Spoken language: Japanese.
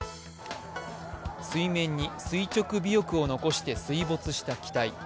水面に垂直尾翼を残して水没した機体。